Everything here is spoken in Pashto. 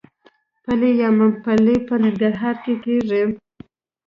پلی یا ممپلی په ننګرهار کې کیږي.